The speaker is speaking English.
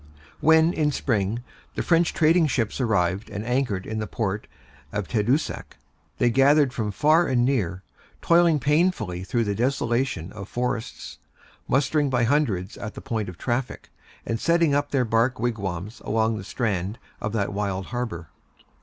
When, in spring, the French trading ships arrived and anchored in the port of Tadoussac, they gathered from far and near, toiling painfully through the desolation of forests, mustering by hundreds at the point of traffic, and setting up their bark wigwams along the strand of that wild harbor.